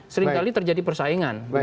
seringkali terjadi persaingan